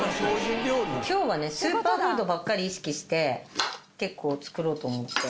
今日はねスーパーフードばっかり意識して結構作ろうと思って。